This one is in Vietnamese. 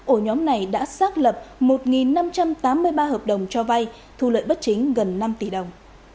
ổ nhóm này đã xác lập một năm trăm tám mươi ba hợp đồng cho vay thu lợi bất chính gần năm tỷ đồng